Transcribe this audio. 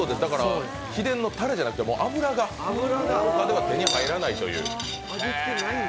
秘伝のたれじゃなくて油がほかでは手に入らないという。